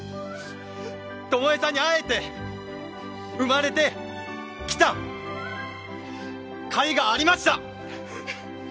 巴さんに会えて生まれてきたかいがありました！